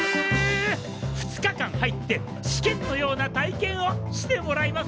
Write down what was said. ２日間入って試験のような体験をしてもらいますよ！